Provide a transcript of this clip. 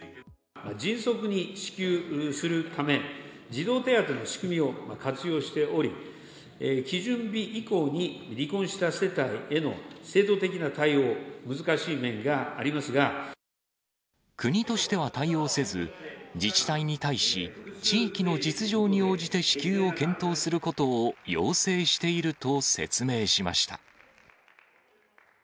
迅速に支給するため、児童手当の仕組みを活用しており、基準日以降に離婚した世帯への制度的な対応、国としては対応せず、自治体に対し、地域の実情に応じて支給を検討することを要請していると説明しました。